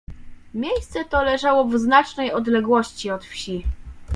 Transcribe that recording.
Miejsce to leżało w znacznej odległości od wsi.